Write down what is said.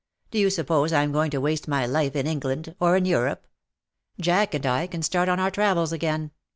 Do you suppose I am going to waste my life in England — or in Europe ? Jack and I can start on our travels again.